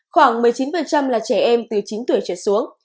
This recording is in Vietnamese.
khoảng một mươi chín là trẻ em từ chín tuổi trở xuống